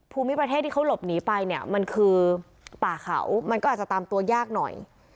ภูมิประเทศที่เขาหลบหนีไปเนี่ยมันคือป่าเขามันก็อาจจะตามตัวยากหน่อย